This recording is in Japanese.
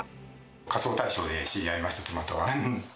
仮装大賞で知り合いました、妻とは。